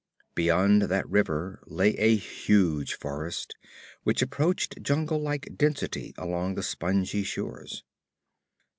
Beyond that river lay a huge forest, which approached jungle like density along the spongy shores.